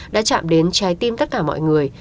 đã chạm đến trái tim tất cả mọi người